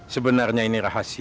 sebenarnya ini rahasia